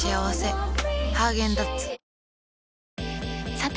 さて！